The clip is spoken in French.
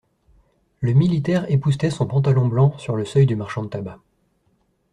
Le militaire époussetait son pantalon blanc sur le seuil du marchand de tabac.